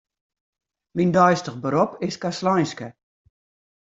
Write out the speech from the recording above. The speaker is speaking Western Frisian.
Myn deistich berop is kastleinske.